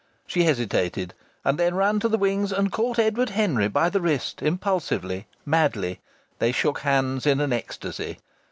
She hesitated, and then ran to the wings, and caught Edward Henry by the wrist impulsively, madly. They shook hands in an ecstasy.